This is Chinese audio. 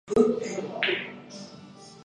这是国家战争频繁发生的世界。